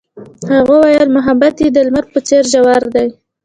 هغې وویل محبت یې د لمر په څېر ژور دی.